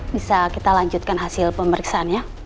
bisa kita lanjutkan hasil pemeriksaannya